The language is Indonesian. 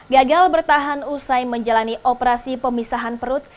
gagal bertahan usai menjalani operasi pemisahan perut